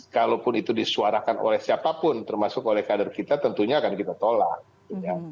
kalaupun itu disuarakan oleh siapapun termasuk oleh kader kita tentunya akan kita tolak